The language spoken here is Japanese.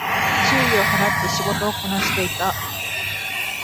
注意を払って仕事をこなしていた